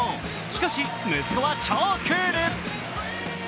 しかし息子は超クール。